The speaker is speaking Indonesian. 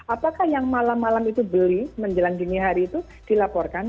apakah yang malam malam itu beli menjelang dini hari itu dilaporkan